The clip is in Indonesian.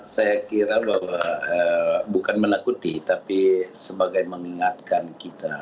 saya kira bahwa bukan menakuti tapi sebagai mengingatkan kita